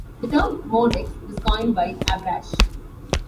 The term "Mode X" was coined by Abrash.